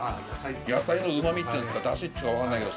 野菜のうまみっていうんすかだしっていうのかわかんないけど。